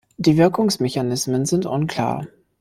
Die Wirkungsmechanismen sind unklar.